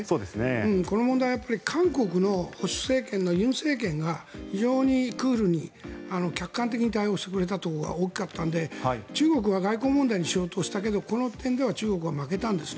この問題は韓国の保守政権の尹政権が非常にクールに客観的に対応してくれたところが大きかったので中国は外交問題にしようとしたけどこの点では中国は負けたんです。